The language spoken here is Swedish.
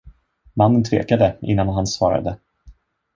Mannen tvekade, innan han svarade.